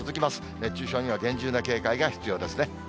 熱中症には厳重な警戒が必要ですね。